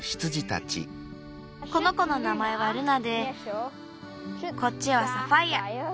この子のなまえはルナでこっちはサファイア。